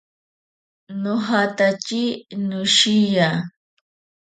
Nojatatsi noshiya.